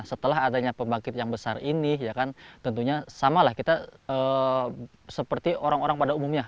setelah adanya pembangkit yang besar ini tentunya sama lah kita seperti orang orang pada umumnya